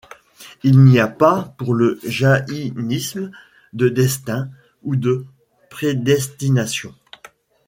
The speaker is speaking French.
Il n'y a pas, pour le jaïnisme, de destin ou de prédestination.